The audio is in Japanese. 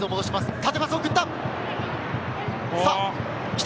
縦パスを送った。